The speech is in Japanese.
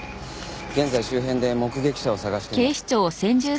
現在周辺で目撃者を捜しています。